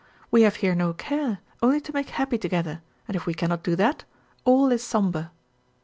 We have here no care, only to make happy together, and if we cannot do that, all is somber."